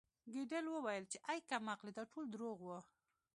ګیدړ وویل چې اې کم عقلې دا ټول درواغ وو